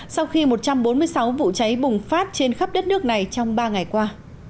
sau khi một trăm bốn mươi sáu vụ cháy bùng phát trên khắp đất nước này trong ba ngày qua